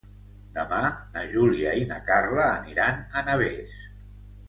Demà na Júlia i na Carla aniran a Navès.